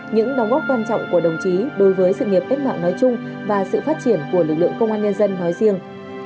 những đóng góp quan trọng của đồng chí đối với sự nghiệp cách mạng nói chung và sự phát triển của lực lượng công an nhân dân nói riêng